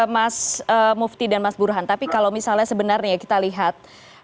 mas mufti dan mas burhan tapi kalau misalnya sebenarnya kita lihat